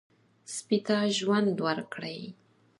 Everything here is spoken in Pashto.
سپي ته ژوند ورکړئ.